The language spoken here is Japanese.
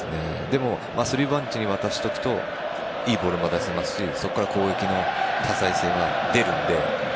でも３ボランチに渡しておくといいボールが出せますしそこから攻撃の多彩性は出るので。